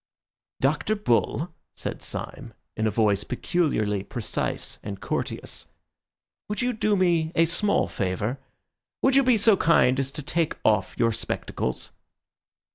"Dr. Bull," said Syme, in a voice peculiarly precise and courteous, "would you do me a small favour? Would you be so kind as to take off your spectacles?"